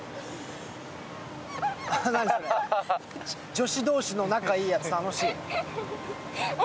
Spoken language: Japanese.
女子同士の仲いいやつ楽しい。